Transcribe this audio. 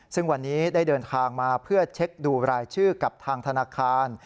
ซึ่งวันนี้ได้เดินทางมาเพื่อเช็คดูรายชื่อกับทางธนาคาร